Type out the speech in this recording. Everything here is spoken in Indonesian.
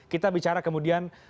kita bicara kemudian